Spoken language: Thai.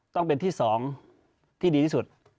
ต้องเป็นที่๒ที่ดีที่สุด